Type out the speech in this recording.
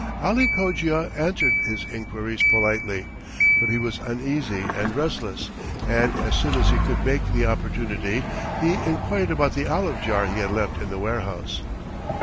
Ali Cogia answered his inquiries politely, but he was uneasy and restless, and as soon as he could make the opportunity he inquired about the olive jar he had left in the warehouse.